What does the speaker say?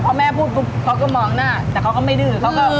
เพราะแม่พูดเค้าก็มองหน้าแต่เค้าก็ไม่ดื้อเค้าก็